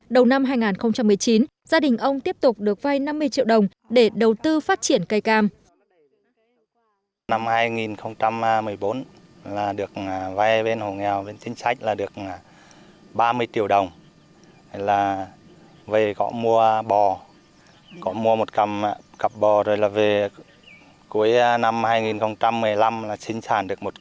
đầu năm hai nghìn một mươi chín gia đình ông tiếp tục được vay năm mươi triệu đồng để đầu tư phát triển cây cam